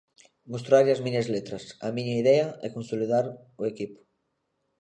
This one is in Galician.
Mostrarlle as miñas letras, a miña idea e consolidar o equipo.